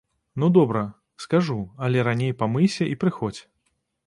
Ну, добра, скажу, але раней памыйся і прыходзь.